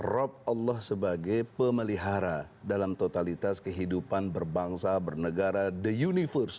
rab allah sebagai pemelihara dalam totalitas kehidupan berbangsa bernegara the universe